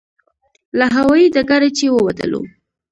له هوایي ډګره چې ووتلو.